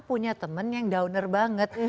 punya temen yang downer banget